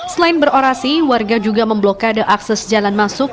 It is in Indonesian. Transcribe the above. selain berorasi warga juga memblokade akses jalan masuk